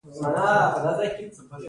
ګلداد ته یې وویل: ته غلی کېنه.